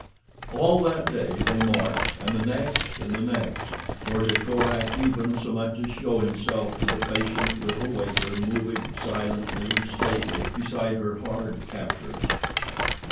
All that day they marched, and the next and the next, nor did Korak even so much as show himself to the patient little waiter moving, silently and stately, beside her hard captors.